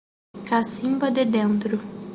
Cacimba de Dentro